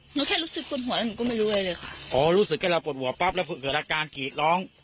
หนูแค่รู้สึกปวดหัวหนูก็ไม่รู้อะไรเลยค่ะอ๋อรู้สึกแค่เราปวดหัวปั๊บแล้วเกิดอาการกีดร้อง